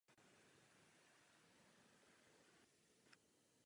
Propagoval svou literární tvorbou myšlenky slovanské vzájemnosti a také překládal.